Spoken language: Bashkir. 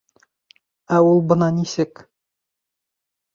Ә ул бына нисек?!